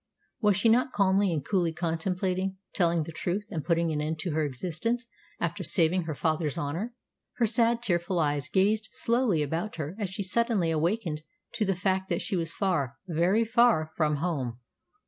Was she not calmly and coolly contemplating telling the truth and putting an end to her existence after saving her father's honour? Her sad, tearful eyes gazed slowly about her as she suddenly awakened to the fact that she was far very far from home.